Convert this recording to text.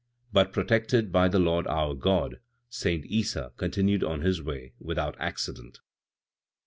But, protected by the Lord our God, Saint Issa continued on his way, without accident.